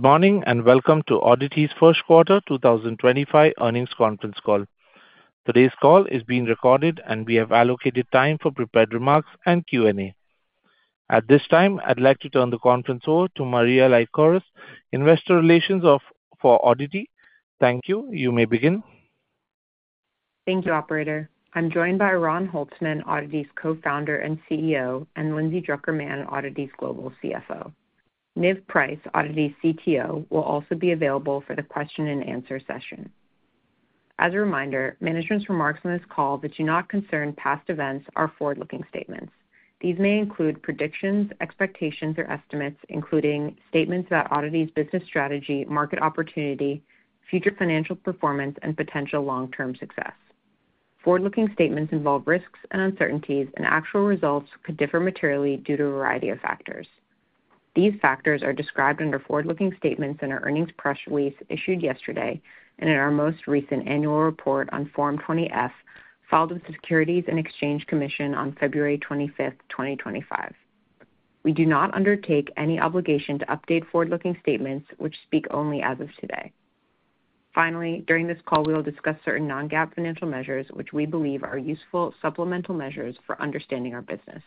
Good morning and welcome to ODDITY's first quarter 2025 earnings conference call. Today's call is being recorded, and we have allocated time for prepared remarks and Q&A. At this time, I'd like to turn the conference over to Maria Lycouris, Investor Relations for ODDITY. Thank you. You may begin. Thank you, Operator. I'm joined by Oran Holtzman, ODDITY's co-founder and CEO, and Lindsay Drucker Mann, ODDITY's global CFO. Niv Preis, ODDITY's CTO, will also be available for the question-and-answer session. As a reminder, management's remarks on this call that do not concern past events are forward-looking statements. These may include predictions, expectations, or estimates, including statements about ODDITY's business strategy, market opportunity, future financial performance, and potential long-term success. Forward-looking statements involve risks and uncertainties, and actual results could differ materially due to a variety of factors. These factors are described under forward-looking statements in our earnings press release issued yesterday and in our most recent annual report on Form 20-F, filed with the Securities and Exchange Commission on February 25, 2025. We do not undertake any obligation to update forward-looking statements, which speak only as of today. Finally, during this call, we will discuss certain non-GAAP financial measures, which we believe are useful supplemental measures for understanding our business.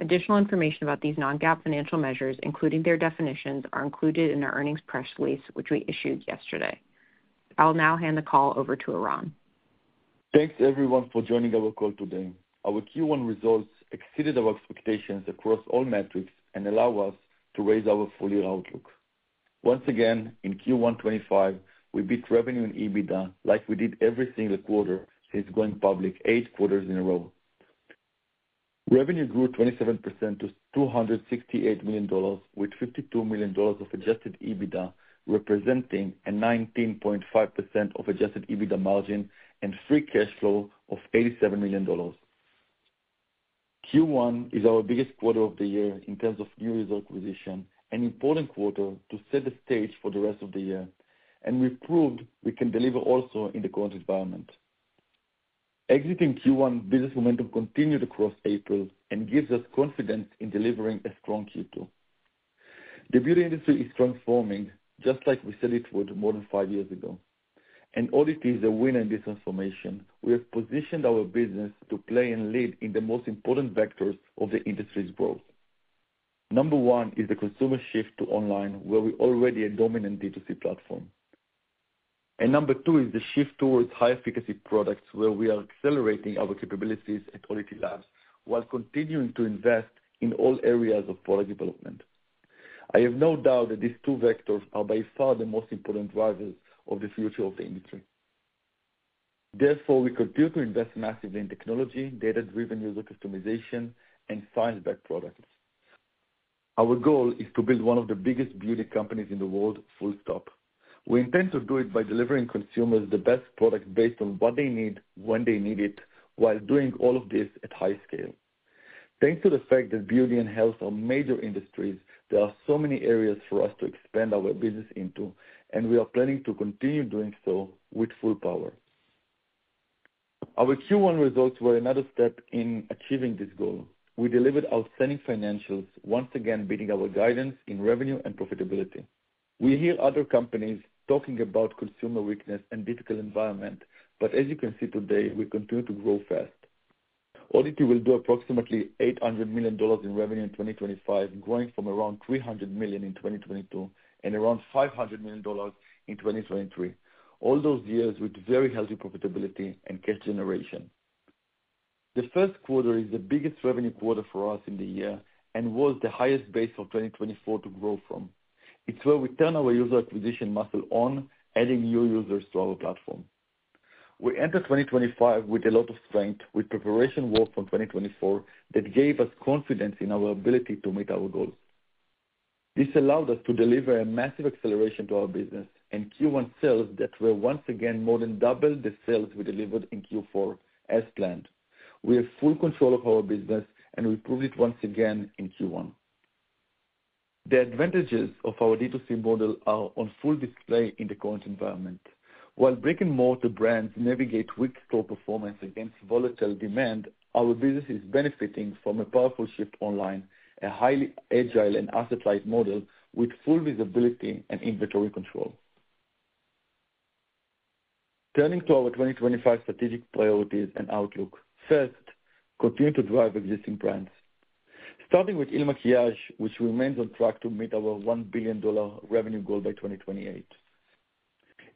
Additional information about these non-GAAP financial measures, including their definitions, are included in our earnings press release, which we issued yesterday. I'll now hand the call over to Oran. Thanks, everyone, for joining our call today. Our Q1 results exceeded our expectations across all metrics and allow us to raise our full-year outlook. Once again, in Q1 2025, we beat revenue and EBITDA like we did every single quarter since going public eight quarters in a row. Revenue grew 27% to $268 million, with $52 million of Adjusted EBITDA representing a 19.5% Adjusted EBITDA margin and free cash flow of $87 million. Q1 is our biggest quarter of the year in terms of new resource acquisition, an important quarter to set the stage for the rest of the year, and we proved we can deliver also in the current environment. Exiting Q1, business momentum continued across April and gives us confidence in delivering a strong Q2. The beauty industry is transforming, just like we said it would more than five years ago. ODDITY is a winner in this transformation. We have positioned our business to play and lead in the most important vectors of the industry's growth. Number one is the consumer shift to online, where we already have a dominant D2C platform. Number two is the shift towards high-efficacy products, where we are accelerating our capabilities at ODDITY Labs while continuing to invest in all areas of product development. I have no doubt that these two vectors are by far the most important drivers of the future of the industry. Therefore, we continue to invest massively in technology, data-driven user customization, and science-backed products. Our goal is to build one of the biggest beauty companies in the world. We intend to do it by delivering consumers the best product based on what they need, when they need it, while doing all of this at high scale. Thanks to the fact that beauty and health are major industries, there are so many areas for us to expand our business into, and we are planning to continue doing so with full power. Our Q1 results were another step in achieving this goal. We delivered outstanding financials, once again beating our guidance in revenue and profitability. We hear other companies talking about consumer weakness and difficult environment, but as you can see today, we continue to grow fast. ODDITY will do approximately $800 million in revenue in 2025, growing from around $300 million in 2022 and around $500 million in 2023. All those years with very healthy profitability and cash generation. The first quarter is the biggest revenue quarter for us in the year and was the highest base for 2024 to grow from. It's where we turn our user acquisition muscle on, adding new users to our platform. We enter 2025 with a lot of strength, with preparation work from 2024 that gave us confidence in our ability to meet our goals. This allowed us to deliver a massive acceleration to our business, and Q1 sales that were once again more than double the sales we delivered in Q4 as planned. We have full control of our business, and we proved it once again in Q1. The advantages of our D2C model are on full display in the current environment. While brick-and-mortar brands navigate weak store performance against volatile demand, our business is benefiting from a powerful shift online, a highly agile and asset-light model with full visibility and inventory control. Turning to our 2025 strategic priorities and outlook, first, continue to drive existing brands. Starting with IL MAKIAGE, which remains on track to meet our $1 billion revenue goal by 2028.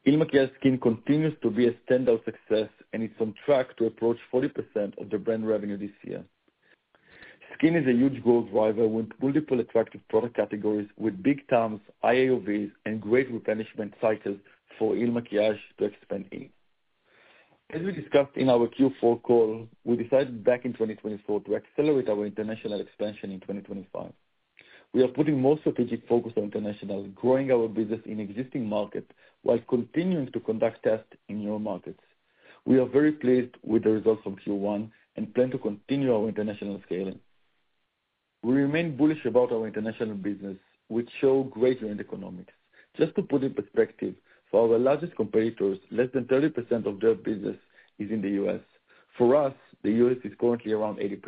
IL MAKIAGE Skin continues to be a standout success, and it's on track to approach 40% of the brand revenue this year. Skin is a huge growth driver with multiple attractive product categories, with big TAMs, high AOVs, and great replenishment cycles for IL MAKIAGE to expand in. As we discussed in our Q4 call, we decided back in 2024 to accelerate our international expansion in 2025. We are putting more strategic focus on international, growing our business in existing markets while continuing to conduct tests in newer markets. We are very pleased with the results from Q1 and plan to continue our international scaling. We remain bullish about our international business, which shows great joint economics. Just to put in perspective, for our largest competitors, less than 30% of their business is in the US. For us, the US is currently around 80%.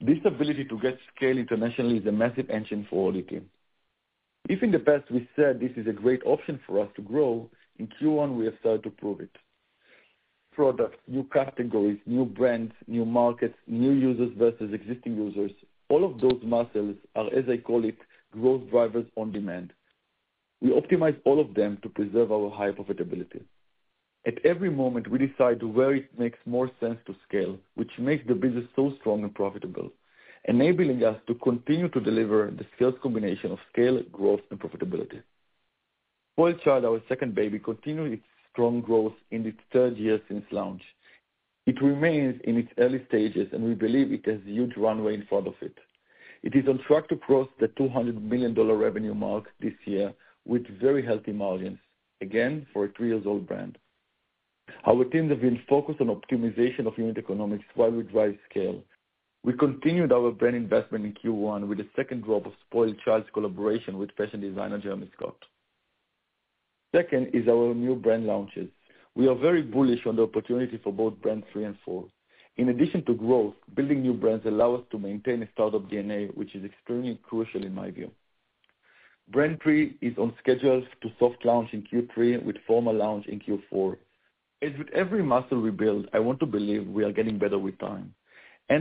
This ability to get scale internationally is a massive engine for ODDITY. If in the past we said this is a great option for us to grow, in Q1 we have started to prove it. Products, new categories, new brands, new markets, new users versus existing users, all of those muscles are, as I call it, growth drivers on demand. We optimize all of them to preserve our high profitability. At every moment, we decide where it makes more sense to scale, which makes the business so strong and profitable, enabling us to continue to deliver the scarce combination of scale, growth, and profitability. Spoiled Child, our second baby, continues its strong growth in its third year since launch. It remains in its early stages, and we believe it has a huge runway in front of it. It is on track to cross the $200 million revenue mark this year with very healthy margins, again for a three-year-old brand. Our teams have been focused on optimization of unit economics while we drive scale. We continued our brand investment in Q1 with a second drop of Spoiled Child's collaboration with fashion designer Jeremy Scott. Second is our new brand launches. We are very bullish on the opportunity for both Brand 3 and Brand 4 In addition to growth, building new brands allows us to maintain a startup DNA, which is extremely crucial in my view. Brand 3 is on schedule to soft launch in Q3 with formal launch in Q4. As with every muscle we build, I want to believe we are getting better with time.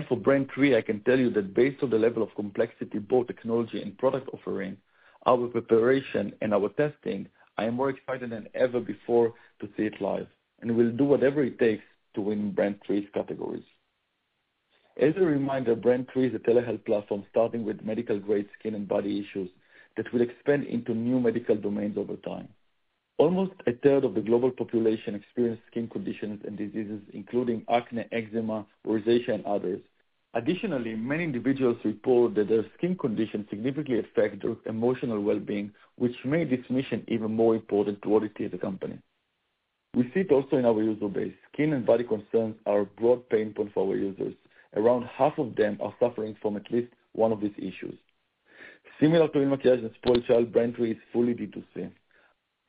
For Brand 3, I can tell you that based on the level of complexity, both technology and product offering, our preparation, and our testing, I am more excited than ever before to see it live. We will do whatever it takes to win Brand 3's categories. As a reminder, Brand 3 is a telehealth platform starting with medical-grade skin and body issues that will expand into new medical domains over time. Almost a third of the global population experiences skin conditions and diseases, including acne, eczema, rosacea, and others. Additionally, many individuals report that their skin conditions significantly affect their emotional well-being, which made this mission even more important to ODDITY as a company. We see it also in our user base. Skin and body concerns are a broad pain point for our users. Around half of them are suffering from at least one of these issues. Similar to IL MAKIAGE and Spoiled Child, Brand 3 is fully D2C.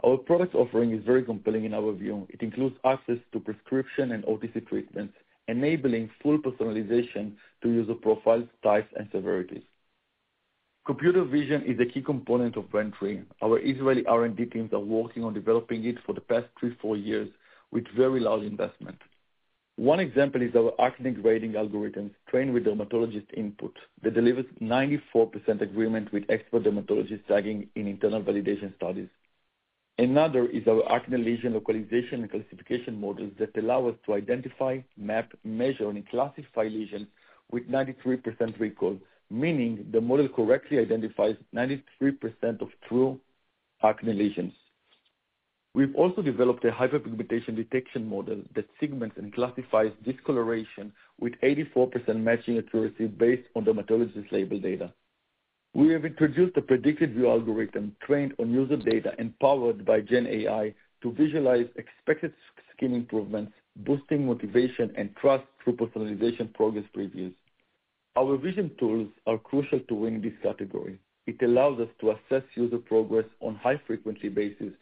Our product offering is very compelling in our view. It includes access to prescription and OTC treatments, enabling full personalization to user profiles, types, and severities. Computer vision is a key component of Brand 3. Our Israeli R&D teams are working on developing it for the past three, four years with very large investment. One example is our acne grading algorithms trained with dermatologist input that delivers 94% agreement with expert dermatologists tagging in internal validation studies. Another is our acne lesion localization and classification models that allow us to identify, map, measure, and classify lesions with 93% recall, meaning the model correctly identifies 93% of true acne lesions. We've also developed a hyperpigmentation detection model that segments and classifies discoloration with 84% matching accuracy based on dermatologist label data. We have introduced a predictive view algorithm trained on user data and powered by GenAI to visualize expected skin improvements, boosting motivation and trust through personalization progress previews. Our vision tools are crucial to win this category. It allows us to assess user progress on a high-frequency basis,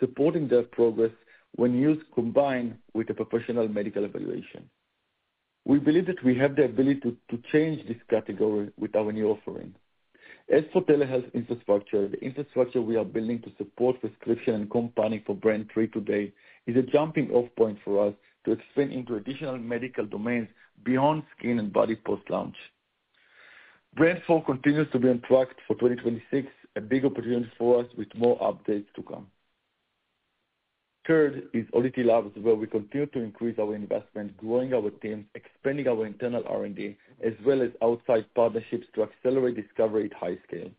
supporting their progress when used combined with a professional medical evaluation. We believe that we have the ability to change this category with our new offering. As for telehealth infrastructure, the infrastructure we are building to support prescription and compounding for Brand 3 today is a jumping-off point for us to expand into additional medical domains beyond skin and body post-launch. Brand 4 continues to be on track for 2026, a big opportunity for us with more updates to come. Third is ODDITY Labs, where we continue to increase our investment, growing our teams, expanding our internal R&D, as well as outside partnerships to accelerate discovery at high scale.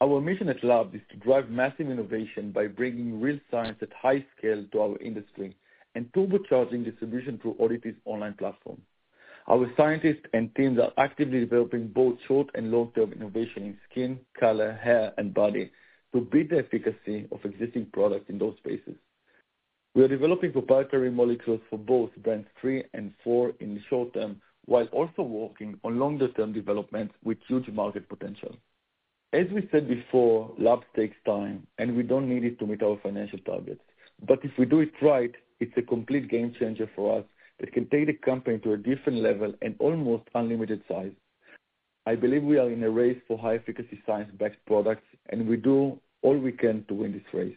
Our mission at Labs is to drive massive innovation by bringing real science at high scale to our industry and turbocharging distribution through ODDITY's online platform. Our scientists and teams are actively developing both short and long-term innovation in skin, color, hair, and body to beat the efficacy of existing products in those spaces. We are developing proprietary molecules for both Brand 3 and Brand 4 in the short term, while also working on longer-term developments with huge market potential. As we said before, Labs takes time, and we don't need it to meet our financial targets. If we do it right, it's a complete game changer for us that can take the company to a different level and almost unlimited size. I believe we are in a race for high-efficacy science-backed products, and we do all we can to win this race.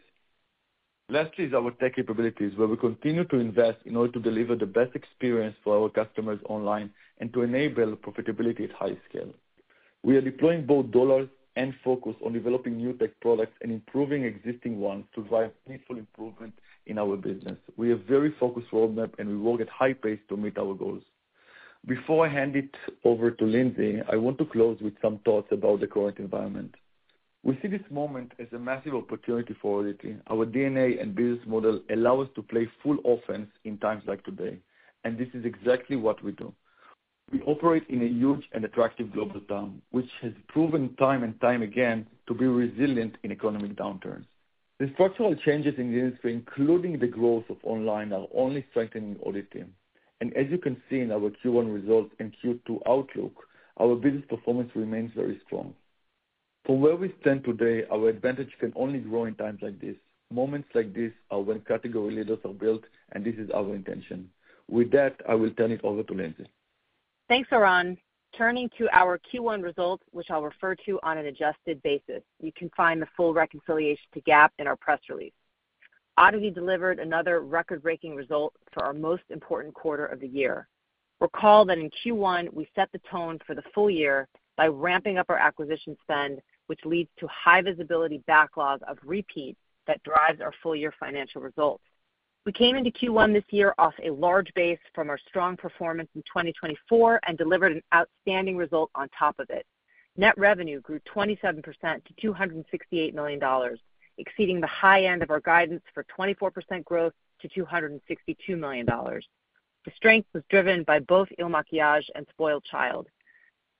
Lastly is our tech capabilities, where we continue to invest in order to deliver the best experience for our customers online and to enable profitability at high scale. We are deploying both dollars and focus on developing new tech products and improving existing ones to drive meaningful improvement in our business. We have a very focused roadmap, and we work at high pace to meet our goals. Before I hand it over to Lindsay, I want to close with some thoughts about the current environment. We see this moment as a massive opportunity for ODDITY. Our DNA and business model allow us to play full offense in times like today, and this is exactly what we do. We operate in a huge and attractive global TAM, which has proven time and time again to be resilient in economic downturns. The structural changes in the industry, including the growth of online, are only strengthening ODDITY. As you can see in our Q1 results and Q2 outlook, our business performance remains very strong. From where we stand today, our advantage can only grow in times like this. Moments like this are when category leaders are built, and this is our intention. With that, I will turn it over to Lindsay. Thanks, Oran. Turning to our Q1 results, which I'll refer to on an adjusted basis. You can find the full reconciliation to GAAP in our press release. ODDITY delivered another record-breaking result for our most important quarter of the year. Recall that in Q1, we set the tone for the full year by ramping up our acquisition spend, which leads to high visibility backlog of repeats that drives our full-year financial results. We came into Q1 this year off a large base from our strong performance in 2023 and delivered an outstanding result on top of it. Net revenue grew 27% to $268 million, exceeding the high end of our guidance for 24% growth to $262 million. The strength was driven by both IL MAKIAGE and Spoiled Child.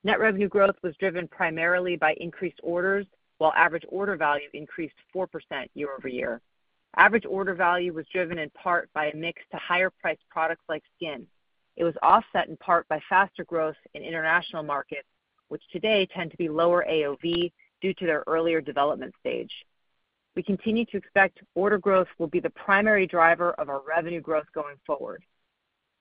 Net revenue growth was driven primarily by increased orders, while average order value increased 4% year over year. Average order value was driven in part by a mix to higher-priced products like skin. It was offset in part by faster growth in international markets, which today tend to be lower AOV due to their earlier development stage. We continue to expect order growth will be the primary driver of our revenue growth going forward.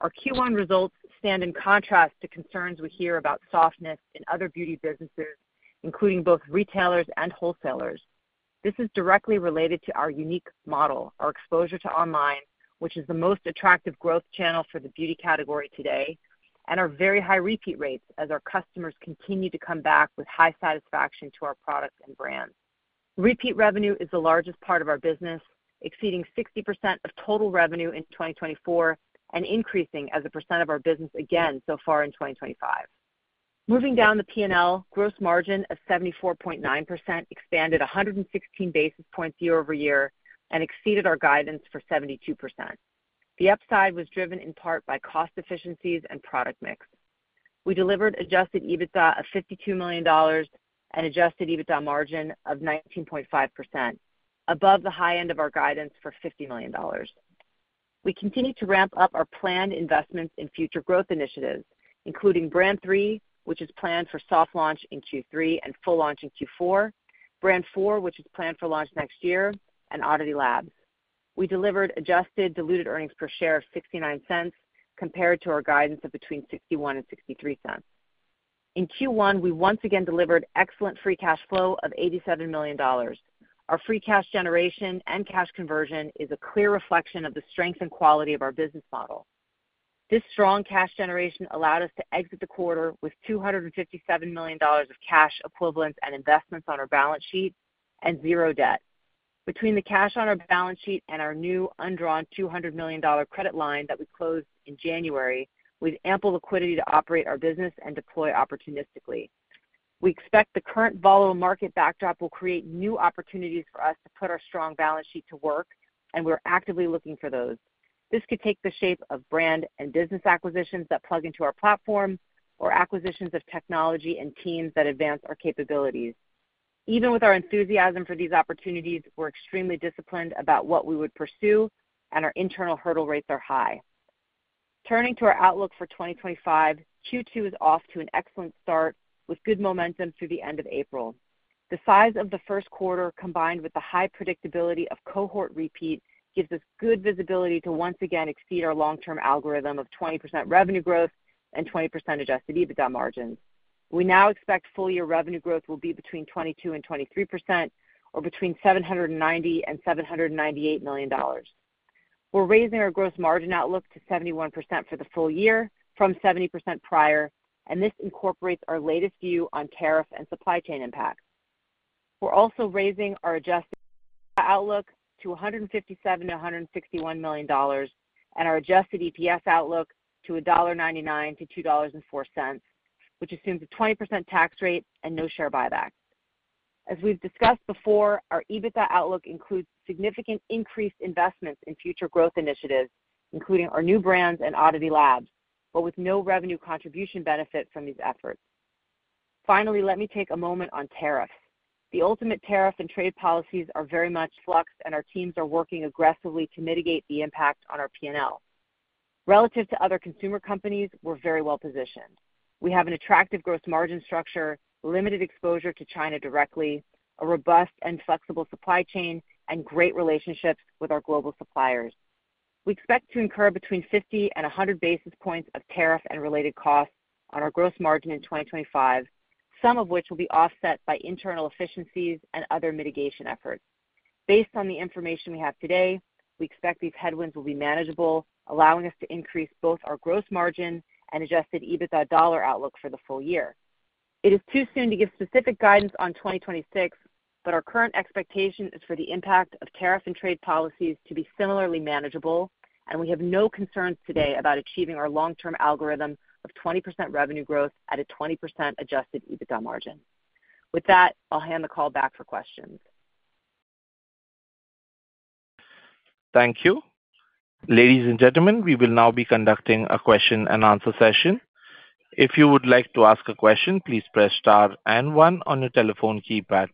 Our Q1 results stand in contrast to concerns we hear about softness in other beauty businesses, including both retailers and wholesalers. This is directly related to our unique model, our exposure to online, which is the most attractive growth channel for the beauty category today, and our very high repeat rates as our customers continue to come back with high satisfaction to our products and brands. Repeat revenue is the largest part of our business, exceeding 60% of total revenue in 2024 and increasing as a percent of our business again so far in 2025. Moving down the P&L, gross margin of 74.9% expanded 116 basis points year over year and exceeded our guidance for 72%. The upside was driven in part by cost efficiencies and product mix. We delivered Adjusted EBITDA of $52 million and Adjusted EBITDA margin of 19.5%, above the high end of our guidance for $50 million. We continue to ramp up our planned investments in future growth initiatives, including Brand 3, which is planned for soft launch in Q3 and full launch in Q4, Brand 4, which is planned for launch next year, and ODDITY Labs. We delivered adjusted diluted earnings per share of $0.69 compared to our guidance of between $0.61 and $0.63. In Q1, we once again delivered excellent free cash flow of $87 million. Our free cash generation and cash conversion is a clear reflection of the strength and quality of our business model. This strong cash generation allowed us to exit the quarter with $257 million of cash equivalents and investments on our balance sheet and zero debt. Between the cash on our balance sheet and our new undrawn $200 million credit line that we closed in January, we have ample liquidity to operate our business and deploy opportunistically. We expect the current volatile market backdrop will create new opportunities for us to put our strong balance sheet to work, and we are actively looking for those. This could take the shape of brand and business acquisitions that plug into our platform or acquisitions of technology and teams that advance our capabilities. Even with our enthusiasm for these opportunities, we are extremely disciplined about what we would pursue, and our internal hurdle rates are high. Turning to our outlook for 2025, Q2 is off to an excellent start with good momentum through the end of April. The size of the first quarter combined with the high predictability of cohort repeat gives us good visibility to once again exceed our long-term algorithm of 20% revenue growth and 20% Adjusted EBITDA margins. We now expect full-year revenue growth will be between 22% and 23% or between $790 million and $798 million. We're raising our gross margin outlook to 71% for the full year from 70% prior, and this incorporates our latest view on tariff and supply chain impacts. We're also raising our Adjusted EBITDA outlook to $157 million-$161 million and our Adjusted EPS outlook to $1.99-$2.04, which assumes a 20% tax rate and no share buyback. As we've discussed before, our EBITDA outlook includes significant increased investments in future growth initiatives, including our new brands and ODDITY Labs, but with no revenue contribution benefit from these efforts. Finally, let me take a moment on tariffs. The ultimate tariff and trade policies are very much in flux, and our teams are working aggressively to mitigate the impact on our P&L. Relative to other consumer companies, we're very well positioned. We have an attractive gross margin structure, limited exposure to China directly, a robust and flexible supply chain, and great relationships with our global suppliers. We expect to incur between 50 and 100 basis points of tariff and related costs on our gross margin in 2025, some of which will be offset by internal efficiencies and other mitigation efforts. Based on the information we have today, we expect these headwinds will be manageable, allowing us to increase both our gross margin and Adjusted EBITDA dollar outlook for the full year. It is too soon to give specific guidance on 2026, but our current expectation is for the impact of tariff and trade policies to be similarly manageable, and we have no concerns today about achieving our long-term algorithm of 20% revenue growth at a 20% Adjusted EBITDA margin. With that, I'll hand the call back for questions. Thank you. Ladies and gentlemen, we will now be conducting a question and answer session. If you would like to ask a question, please press Star and 1 on your telephone keypad.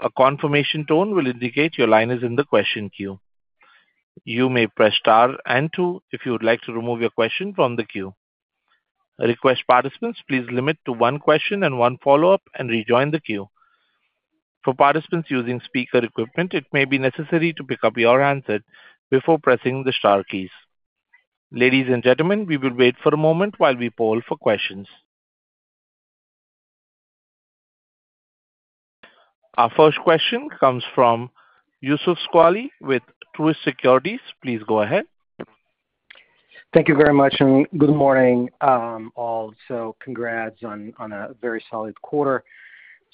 A confirmation tone will indicate your line is in the question queue. You may press Star and 2 if you would like to remove your question from the queue. Request participants please limit to one question and one follow-up and rejoin the queue. For participants using speaker equipment, it may be necessary to pick up your answer before pressing the Star keys. Ladies and gentlemen, we will wait for a moment while we poll for questions. Our first question comes from Youssef Squali with Truist Securities. Please go ahead. Thank you very much and good morning, all. Congrats on a very solid quarter,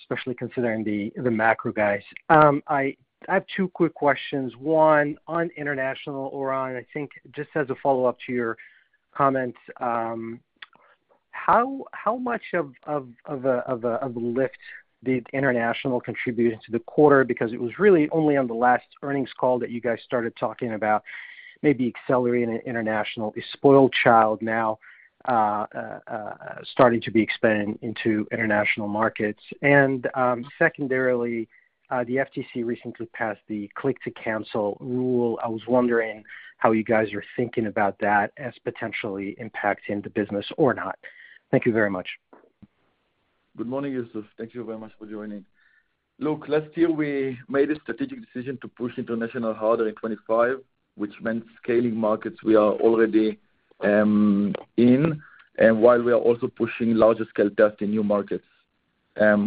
especially considering the macro, guys. I have two quick questions. One, on international, Oran, I think just as a follow-up to your comments, how much of a lift did international contribute to the quarter? Because it was really only on the last earnings call that you guys started talking about maybe accelerating international. Is Spoiled Child now starting to be expanding into international markets? Secondarily, the FTC recently passed the click-to-cancel rule. I was wondering how you guys are thinking about that as potentially impacting the business or not. Thank you very much. Good morning, Youssef. Thank you very much for joining. Look, last year we made a strategic decision to push international harder in 2025, which meant scaling markets we are already in, and while we are also pushing larger-scale tests in new markets.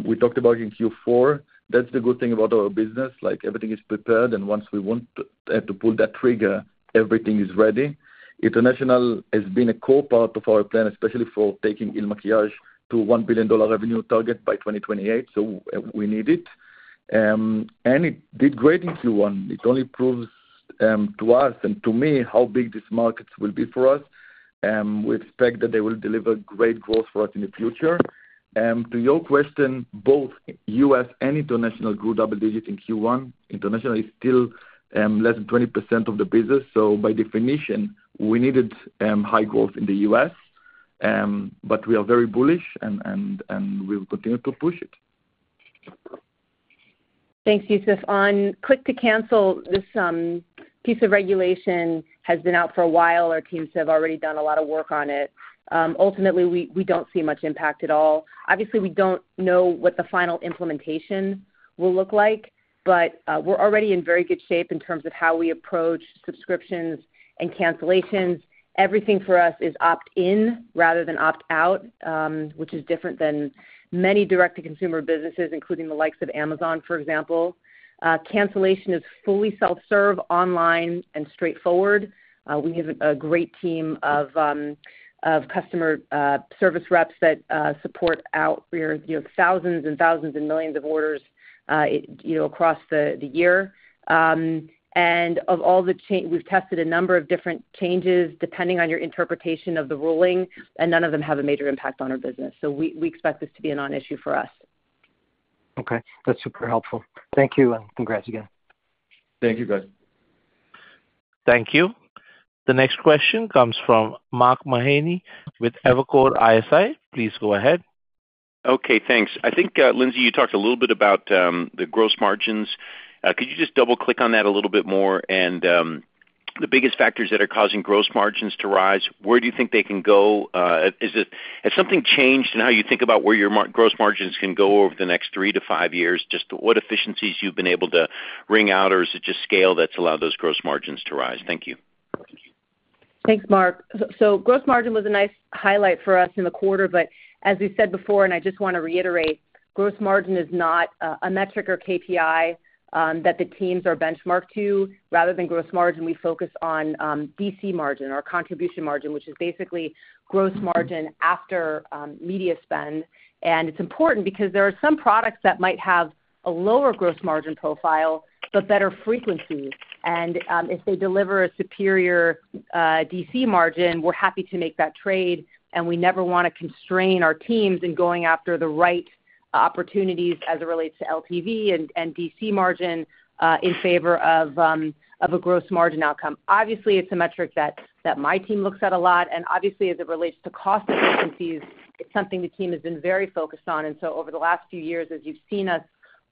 We talked about in Q4. That is the good thing about our business. Everything is prepared, and once we want to pull that trigger, everything is ready. International has been a core part of our plan, especially for taking IL MAKIAGE to $1 billion revenue target by 2028, so we need it. It did great in Q1. It only proves to us and to me how big these markets will be for us. We expect that they will deliver great growth for us in the future. To your question, both US and international grew double digits in Q1. International is still less than 20% of the business. By definition, we needed high growth in the US, but we are very bullish, and we will continue to push it. Thanks, Youssef. On click-to-cancel, this piece of regulation has been out for a while. Our teams have already done a lot of work on it. Ultimately, we do not see much impact at all. Obviously, we do not know what the final implementation will look like, but we are already in very good shape in terms of how we approach subscriptions and cancellations. Everything for us is opt-in rather than opt-out, which is different than many direct-to-consumer businesses, including the likes of Amazon, for example. Cancellation is fully self-serve, online, and straightforward. We have a great team of customer service reps that support our thousands and thousands and millions of orders across the year. Of all the changes, we've tested a number of different changes depending on your interpretation of the ruling, and none of them have a major impact on our business. We expect this to be a non-issue for us. Okay. That's super helpful. Thank you and congrats again. Thank you, guys. Thank you. The next question comes from Mark Mahaney with Evercore ISI. Please go ahead. Okay. Thanks. I think, Lindsay, you talked a little bit about the gross margins. Could you just double-click on that a little bit more? And the biggest factors that are causing gross margins to rise, where do you think they can go? Has something changed in how you think about where your gross margins can go over the next three to five years? Just what efficiencies you've been able to ring out, or is it just scale that's allowed those gross margins to rise? Thank you. Thanks, Mark. Gross margin was a nice highlight for us in the quarter, but as we said before, and I just want to reiterate, gross margin is not a metric or KPI that the teams are benchmarked to. Rather than gross margin, we focus on DC margin, or contribution margin, which is basically gross margin after media spend. It is important because there are some products that might have a lower gross margin profile but better frequency. If they deliver a superior DC margin, we're happy to make that trade. We never want to constrain our teams in going after the right opportunities as it relates to LTV and DC margin in favor of a gross margin outcome. Obviously, it's a metric that my team looks at a lot. Obviously, as it relates to cost efficiencies, it's something the team has been very focused on. Over the last few years, as you've seen us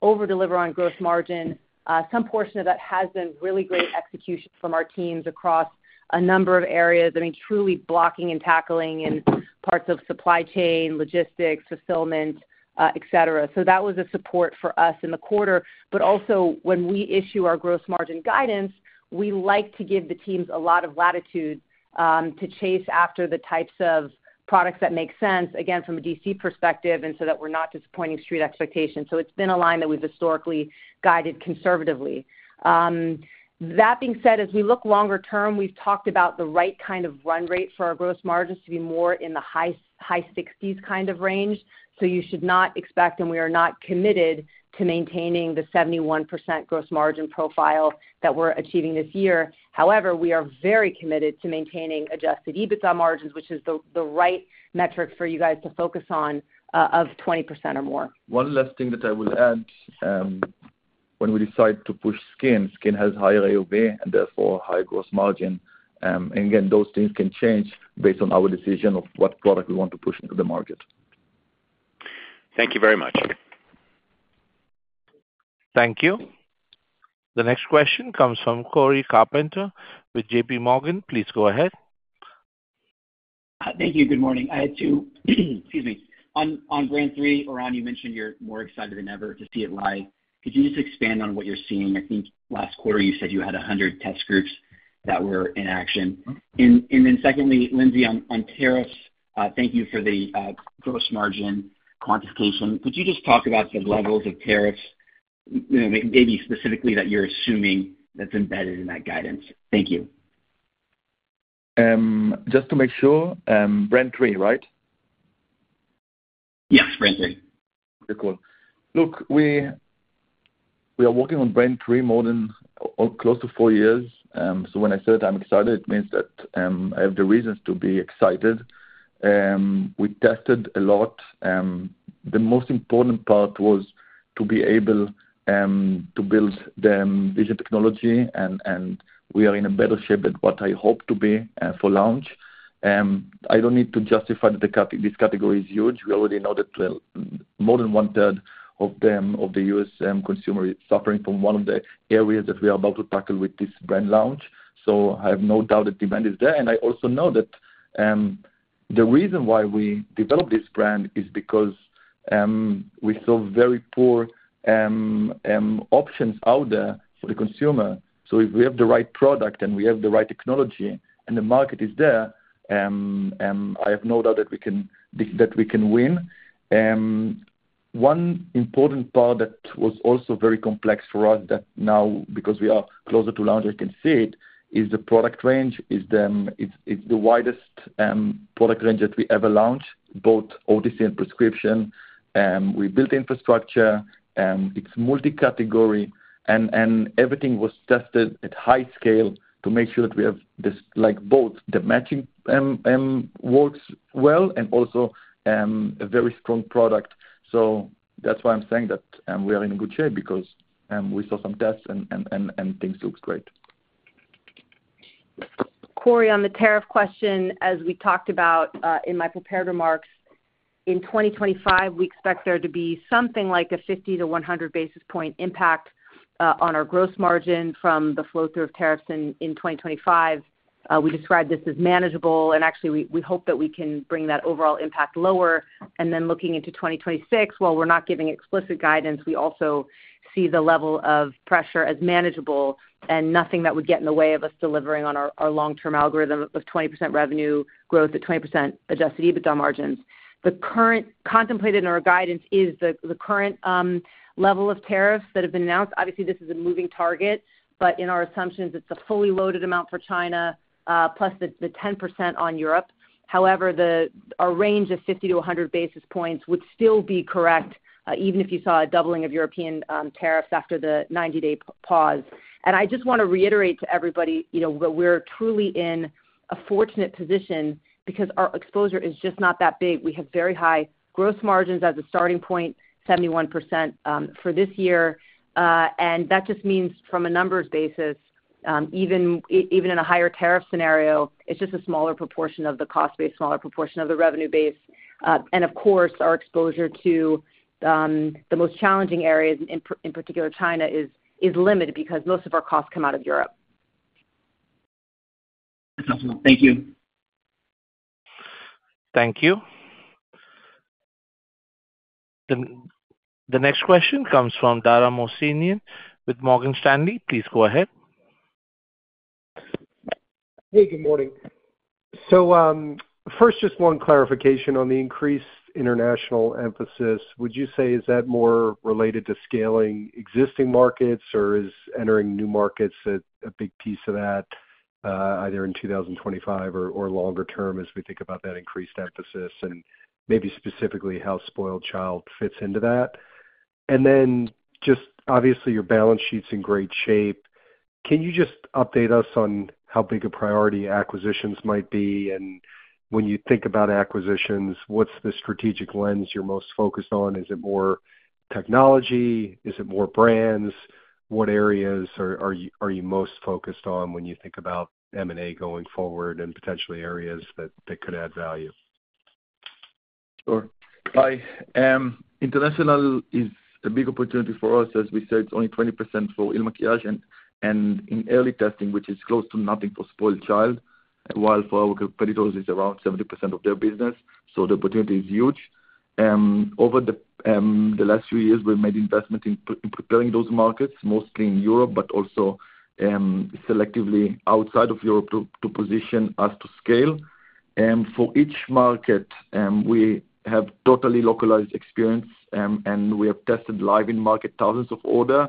overdeliver on gross margin, some portion of that has been really great execution from our teams across a number of areas. I mean, truly blocking and tackling in parts of supply chain, logistics, fulfillment, etc. That was a support for us in the quarter. When we issue our gross margin guidance, we like to give the teams a lot of latitude to chase after the types of products that make sense, again, from a D2C perspective and so that we're not disappointing street expectations. It has been a line that we've historically guided conservatively. That being said, as we look longer term, we've talked about the right kind of run rate for our gross margins to be more in the high 60s kind of range. You should not expect, and we are not committed to maintaining the 71% gross margin profile that we're achieving this year. However, we are very committed to maintaining Adjusted EBITDA margins, which is the right metric for you guys to focus on, of 20% or more. One last thing that I will add, when we decide to push skin, skin has higher AOV and therefore higher gross margin. Those things can change based on our decision of what product we want to push into the market. Thank you very much. Thank you. The next question comes from Cory Carpenter with JPMorgan. Please go ahead. Thank you. Good morning. I had two, excuse me. On Brand 3, Oran, you mentioned you're more excited than ever to see it live. Could you just expand on what you're seeing? I think last quarter, you said you had 100 test groups that were in action. Secondly, Lindsay, on tariffs, thank you for the gross margin quantification. Could you just talk about the levels of tariffs, maybe specifically that you're assuming that's embedded in that guidance? Thank you. Just to make sure, Brand 3, right? Yes, Brand 3. Very cool. Look, we are working on Brand 3 more than close to four years. When I said I'm excited, it means that I have the reasons to be excited. We tested a lot. The most important part was to be able to build the vision technology, and we are in a better shape than what I hoped to be for launch. I don't need to justify that this category is huge. We already know that more than one-third of the US consumer is suffering from one of the areas that we are about to tackle with this brand launch. I have no doubt that demand is there. I also know that the reason why we developed this brand is because we saw very poor options out there for the consumer. If we have the right product and we have the right technology and the market is there, I have no doubt that we can win. One important part that was also very complex for us that now, because we are closer to launch, I can see it, is the product range. It's the widest product range that we ever launched, both OTC and prescription. We built infrastructure. It's multi-category, and everything was tested at high scale to make sure that we have both the matching works well and also a very strong product. That's why I'm saying that we are in good shape because we saw some tests and things looked great. Cory, on the tariff question, as we talked about in my prepared remarks, in 2025, we expect there to be something like a 50-100 basis point impact on our gross margin from the flow through of tariffs in 2025. We described this as manageable, and actually, we hope that we can bring that overall impact lower. Looking into 2026, while we're not giving explicit guidance, we also see the level of pressure as manageable and nothing that would get in the way of us delivering on our long-term algorithm of 20% revenue growth at 20% Adjusted EBITDA margins. The current contemplated in our guidance is the current level of tariffs that have been announced. Obviously, this is a moving target, but in our assumptions, it's a fully loaded amount for China, plus the 10% on Europe. However, our range of 50-100 basis points would still be correct, even if you saw a doubling of European tariffs after the 90-day pause. I just want to reiterate to everybody that we're truly in a fortunate position because our exposure is just not that big. We have very high gross margins as a starting point, 71% for this year. That just means from a numbers basis, even in a higher tariff scenario, it's just a smaller proportion of the cost base, smaller proportion of the revenue base. Of course, our exposure to the most challenging areas, in particular China, is limited because most of our costs come out of Europe. Excellent. Thank you. Thank you. The next question comes from Dara Mohsenian with Morgan Stanley. Please go ahead. Hey, good morning. First, just one clarification on the increased international emphasis. Would you say is that more related to scaling existing markets, or is entering new markets a big piece of that, either in 2025 or longer term as we think about that increased emphasis? Maybe specifically how Spoiled Child fits into that. Obviously, your balance sheet's in great shape. Can you just update us on how big a priority acquisitions might be? When you think about acquisitions, what's the strategic lens you're most focused on? Is it more technology? Is it more brands? What areas are you most focused on when you think about M&A going forward and potentially areas that could add value? Sure. International is a big opportunity for us. As we said, it's only 20% for IL MAKIAGE and in early testing, which is close to nothing for Spoiled Child, while for our competitors, it's around 70% of their business. The opportunity is huge. Over the last few years, we've made investment in preparing those markets, mostly in Europe, but also selectively outside of Europe to position us to scale. For each market, we have totally localized experience, and we have tested live in market thousands of orders.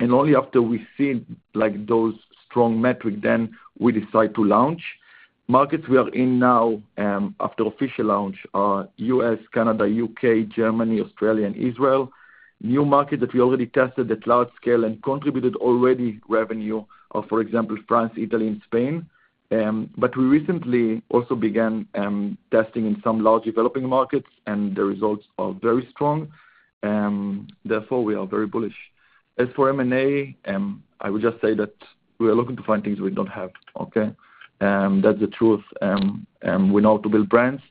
Only after we see those strong metrics, then we decide to launch. Markets we are in now after official launch are US, Canada, U.K., Germany, Australia, and Israel. New markets that we already tested at large scale and contributed already revenue are, for example, France, Italy, and Spain. We recently also began testing in some large developing markets, and the results are very strong. Therefore, we are very bullish. As for M&A, I would just say that we are looking to find things we don't have. Okay? That's the truth. We know how to build brands.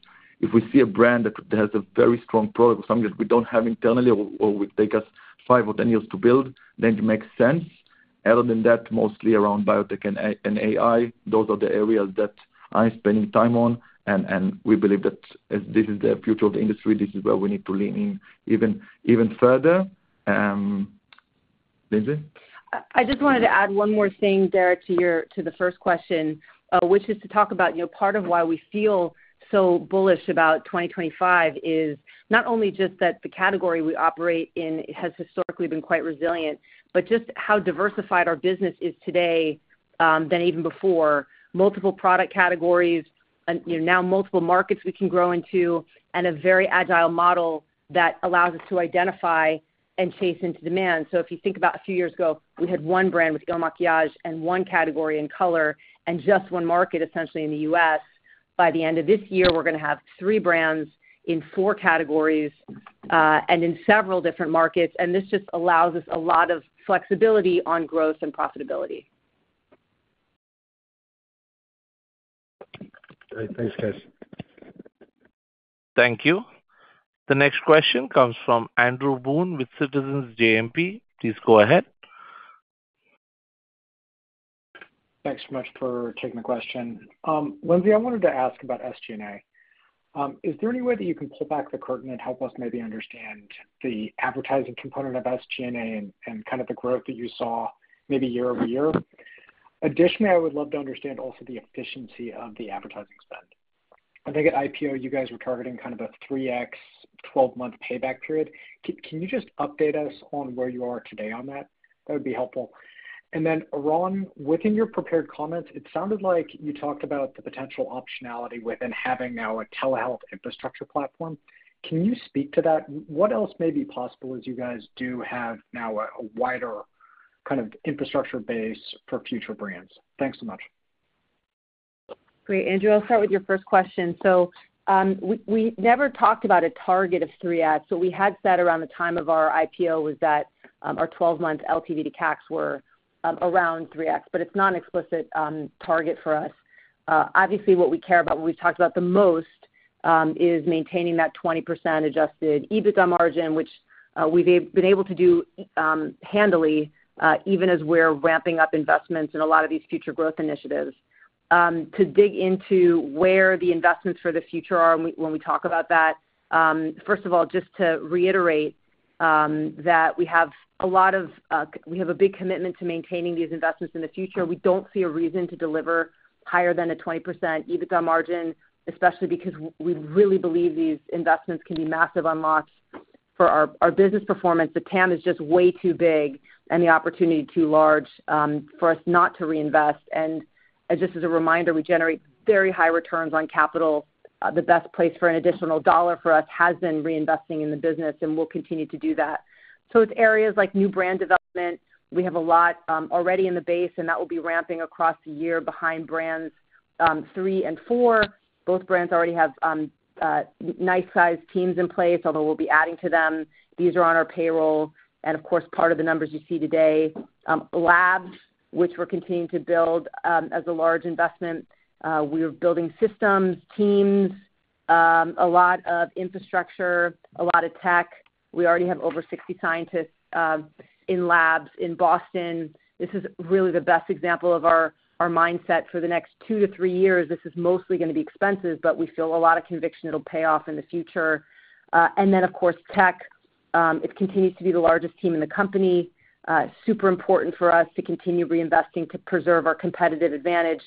If we see a brand that has a very strong product or something that we do not have internally or will take us five or ten years to build, then it makes sense. Other than that, mostly around biotech and AI, those are the areas that I am spending time on. We believe that this is the future of the industry. This is where we need to lean in even further. Lindsay? I just wanted to add one more thing there to the first question, which is to talk about part of why we feel so bullish about 2025 is not only just that the category we operate in has historically been quite resilient, but just how diversified our business is today than even before. Multiple product categories, now multiple markets we can grow into, and a very agile model that allows us to identify and chase into demand. If you think about a few years ago, we had one brand with IL MAKIAGE and one category in color and just one market, essentially, in the US. By the end of this year, we're going to have three brands in four categories and in several different markets. This just allows us a lot of flexibility on growth and profitability. Thanks, guys. Thank you. The next question comes from Andrew Boone with Citizens JMP Securities. Please go ahead. Thanks so much for taking the question. Lindsay, I wanted to ask about SG&A. Is there any way that you can pull back the curtain and help us maybe understand the advertising component of SG&A and kind of the growth that you saw maybe year over year? Additionally, I would love to understand also the efficiency of the advertising spend. I think at IPO, you guys were targeting kind of a 3x, 12-month payback period. Can you just update us on where you are today on that? That would be helpful. Oran, within your prepared comments, it sounded like you talked about the potential optionality within having now a telehealth infrastructure platform. Can you speak to that? What else may be possible as you guys do have now a wider kind of infrastructure base for future brands? Thanks so much. Great. Andrew, I'll start with your first question. We never talked about a target of 3x. We had said around the time of our IPO was that our 12-month LTV to CACs were around 3x, but it's not an explicit target for us. Obviously, what we care about, what we've talked about the most, is maintaining that 20% Adjusted EBITDA margin, which we've been able to do handily, even as we're ramping up investments in a lot of these future growth initiatives, to dig into where the investments for the future are. When we talk about that, first of all, just to reiterate that we have a big commitment to maintaining these investments in the future. We don't see a reason to deliver higher than a 20% EBITDA margin, especially because we really believe these investments can be massive unlocks for our business performance. The TAM is just way too big and the opportunity too large for us not to reinvest. Just as a reminder, we generate very high returns on capital. The best place for an additional dollar for us has been reinvesting in the business, and we'll continue to do that. It is areas like new brand development. We have a lot already in the base, and that will be ramping across the year behind Brand 3 and Brand 4. Both brands already have nice-sized teams in place, although we'll be adding to them. These are on our payroll. Of course, part of the numbers you see today, labs, which we're continuing to build as a large investment. We're building systems, teams, a lot of infrastructure, a lot of tech. We already have over 60 scientists in labs in Boston. This is really the best example of our mindset for the next two to three years. This is mostly going to be expenses, but we feel a lot of conviction it'll pay off in the future. Of course, tech continues to be the largest team in the company. Super important for us to continue reinvesting to preserve our competitive advantage,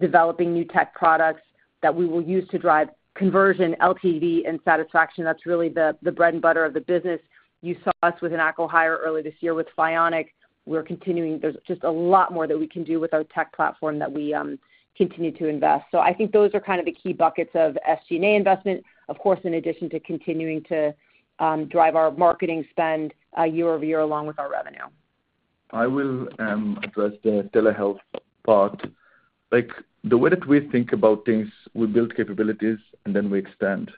developing new tech products that we will use to drive conversion, LTV, and satisfaction. That's really the bread and butter of the business. You saw us with an acqui-hire early this year with Phionic. We're continuing. There's just a lot more that we can do with our tech platform that we continue to invest. I think those are kind of the key buckets of SG&A investment, of course, in addition to continuing to drive our marketing spend year over year along with our revenue. I will address the telehealth part. The way that we think about things, we build capabilities, and then we expand.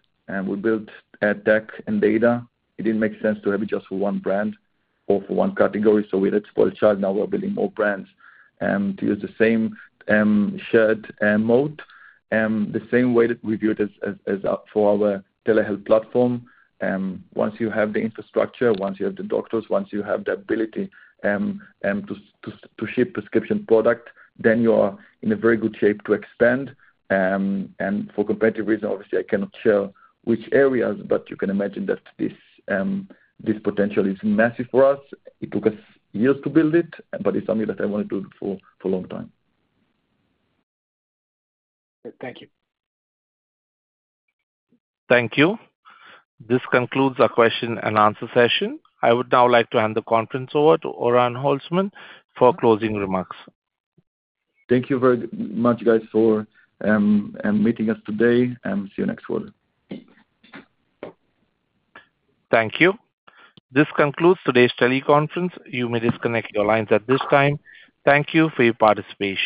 We built tech and data. It did not make sense to have it just for one brand or for one category. We had Spoiled Child. Now we are building more brands to use the same shared mode, the same way that we view it for our telehealth platform. Once you have the infrastructure, once you have the doctors, once you have the ability to ship prescription product, you are in very good shape to expand. For competitive reasons, obviously, I cannot share which areas, but you can imagine that this potential is massive for us. It took us years to build it, but it is something that I wanted to do for a long time. Thank you. Thank you. This concludes our question and answer session. I would now like to hand the conference over to Oran Holtzman for closing remarks. Thank you very much, guys, for meeting us today. See you next quarter. Thank you. This concludes today's teleconference. You may disconnect your lines at this time. Thank you for your participation.